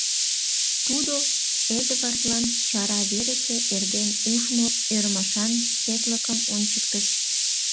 Тудо Эдвардлан чара верысе эрден ужмо ӧрмашан четлыкым ончыктыш.